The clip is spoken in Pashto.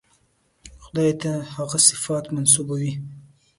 خدای ته هغه صفات منسوبوي.